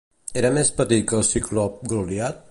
Era més petit que el ciclop Goliat?